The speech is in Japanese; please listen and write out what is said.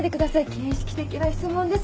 形式的な質問ですので。